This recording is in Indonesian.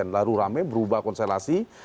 lalu rame berubah konservasi